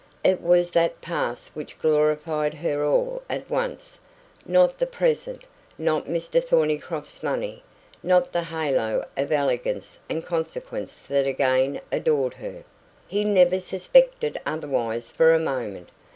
It was that past which glorified her all at once, not the present not Mr Thornycroft's money not the halo of elegance and consequence that again adorned her; he never suspected otherwise for a moment.